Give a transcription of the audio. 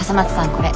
これ。